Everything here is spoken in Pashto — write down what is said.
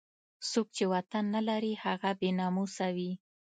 څوک چې وطن نه لري هغه بې ناموسه وي.